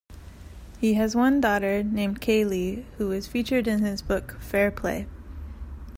He has one daughter, named Cayley, who was featured in his book "Fair Play".